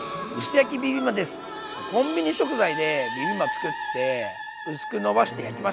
コンビニ食材でビビンバつくって薄くのばして焼きました。